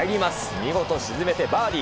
見事、沈めてバーディー。